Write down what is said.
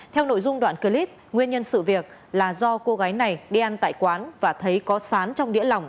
theo nội dung đoạn clip nguyên nhân sự việc là do cô gái này đi ăn tại quán và thấy có sán trong đĩa lỏng